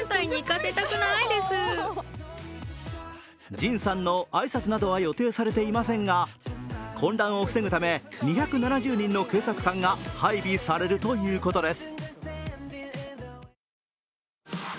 ＪＩＮさんの挨拶などは予定されていませんが、混乱を防ぐため２７０人の警察官が配備されるということです。